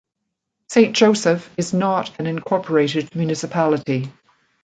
Saint Joseph is not an incorporated municipality.